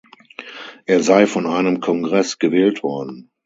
Er sei von einem Kongress gewählt worden.